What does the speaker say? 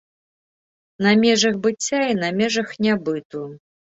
На межах быцця і на межах нябыту.